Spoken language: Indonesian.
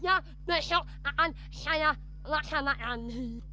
aku akan melakukan ini